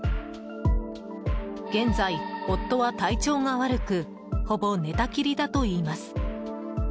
現在、夫は体調が悪くほぼ寝たきりだといいます。